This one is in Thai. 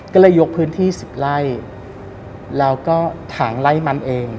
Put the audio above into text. ก็เลยยกพื้นที่๑๐ไร่แล้วก็ถางไล่มันเอง